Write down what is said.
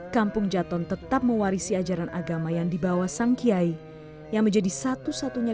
kampung jaton tetap mewarisi ajaran agama yang dibawa sang kiai yang menjadi satu satunya